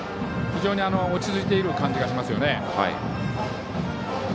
非常に落ち着いている感じがします。